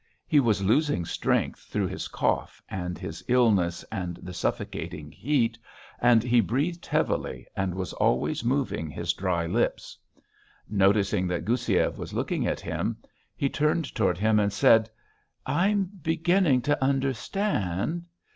He was losing strength through his cough and his illness and the suffocating heat, and he breathed heavily and was always moving his dry lips. Noticing that Goussiev was looking at him, he turned toward him and said: "I'm beginning to understand....